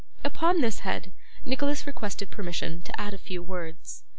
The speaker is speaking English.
Upon this head, Nicholas requested permission to add a few words.